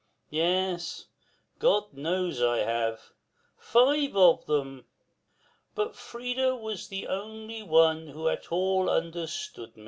Yes, God knows I have five of them. But Frida was the only one who at all understood me.